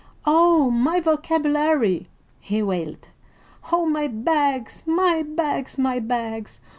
"Oh, my vocabulary!" he wailed. "Oh, my bags, my bags, my bags!